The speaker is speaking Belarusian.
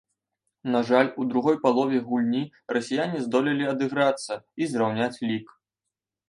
На жаль, у другой палове гульні расіяне здолелі адыграцца і зраўняць лік.